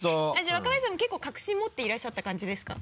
若林さんも結構確信もっていらっしゃった感じですか？